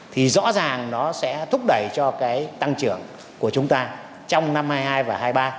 thì rõ ràng nó sẽ thúc đẩy cho cái tăng trưởng của chúng ta trong năm hai nghìn hai mươi hai và hai mươi ba